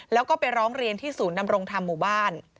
แล้วก็ไปร้องเรียนที่ศูนย์นำรงธรรมหมู่บ้าน